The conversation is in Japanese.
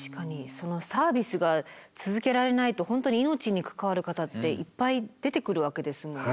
そのサービスが続けられないと本当に命に関わる方っていっぱい出てくるわけですもんね。